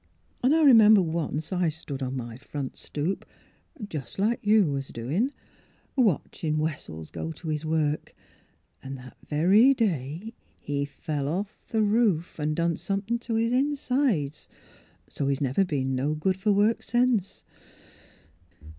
An' I remember once I stood on my front stoop — jus' like you was doin' — a watchin' Wessels goin' to 'is work, an' that very day he fell off the roof an' done somethin' to 'is insides, so he's never been no good fer work sence.